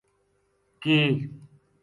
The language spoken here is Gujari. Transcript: ک